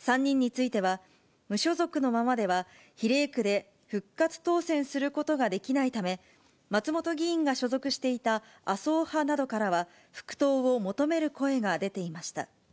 ３人については、無所属のままでは、比例区で復活当選することができないため、松本議員が所属していた、麻生派などからは復党を求める声が出ていました。